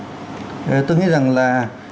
ờ tôi nghĩ rằng là